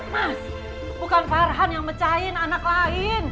mas bukan farhan yang mecahin anak lain